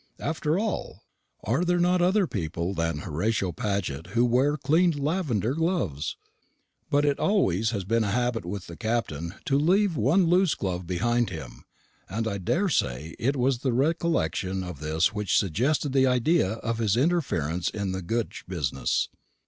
After all, are there not other people than Horatio Paget who wear cleaned lavender gloves? But it always has been a habit with the Captain to leave one loose glove behind him; and I daresay it was the recollection of this which suggested the idea of his interference in the Goodge business.